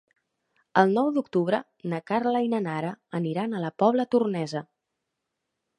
El nou d'octubre na Carla i na Nara aniran a la Pobla Tornesa.